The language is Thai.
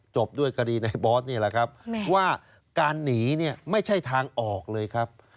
จบด้วยคดีในบอสนี่แหละครับว่าการหนีเนี่ยไม่ใช่ทางออกเลยครับ